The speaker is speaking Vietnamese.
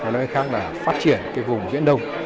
ngoài ra phát triển vùng viễn đông